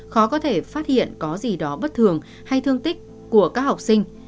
khó có thể phát hiện có gì đó bất thường hay thương tích của các học sinh